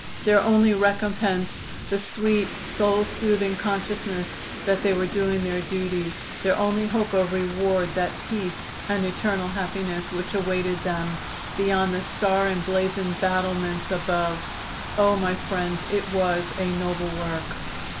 Their only recompense the sweet, soul soothing consciousness that they were doing their duty; their only hope of reward that peace and eternal happiness which awaited them beyond the star emblazoned battlements above. Oh! my friends, it was a noble work.